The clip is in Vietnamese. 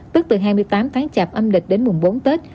tức từ hai mươi tám tháng chạp âm lịch đến mùng bốn tết